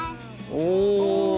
お。